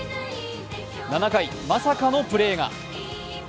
７回、まさかのプレーが。